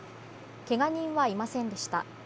怪我人はいませんでした。